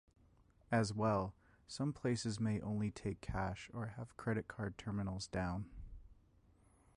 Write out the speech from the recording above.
As well, some places may only take cash or have credit card terminals down.